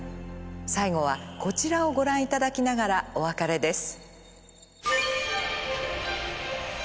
最後はこちらをご覧頂きながらお別れです。